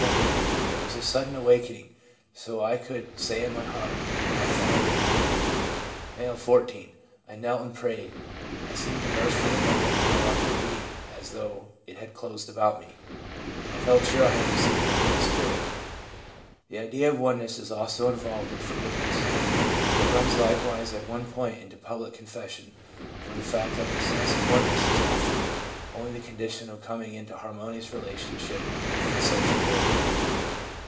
It was a sudden awakening, so I could say in my heart, "Our father in heaven/" M., 14. 'I knelt and prayed; I seemed immersed for the moment in a larger being as though it had closed about me; I felt sure I had re ceived the Holy Spirit/ The idea of oneness is also involved in 'forgiveness/ It runs likewise at one point into ' public confession/ from the fact that the sense of oneness is often only the condition of coming into har monious relationship with the social order.